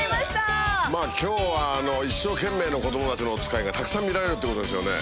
今日は一生懸命な子供たちのおつかいがたくさん見られるってことですよね？